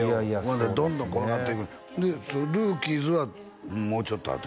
ほんならどんどん転がっていく「ＲＯＯＫＩＥＳ」はもうちょっとあと？